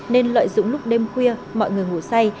nên lợi dụng lúc đêm khuya mọi người ngủ say